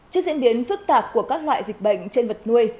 trước diễn biến phức tạp của các loại dịch bệnh trên vật nuôi